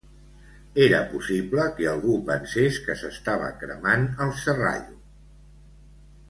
Era possible que algú pensés que s'estava cremant el Serrallo!